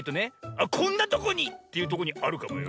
「あっこんなとこに！」っていうとこにあるかもよ。